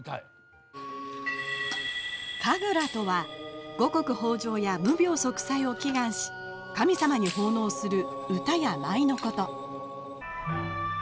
「神楽」とは五穀豊穣や無病息災を祈願し神様に奉納する歌や舞のこと。